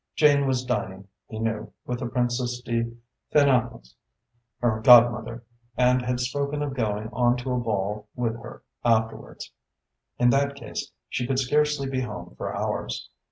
Jane was dining, he knew, with the Princess de Fénaples, her godmother, and had spoken of going on to a ball with her afterwards. In that case she could scarcely be home for hours.